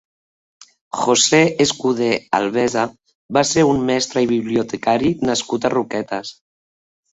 José Escudé Albesa va ser un mestre i bibliotecari nascut a Roquetes.